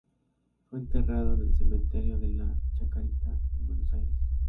Fue enterrado en el Cementerio de la Chacarita en Buenos Aires.